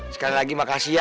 sekali lagi makasih ya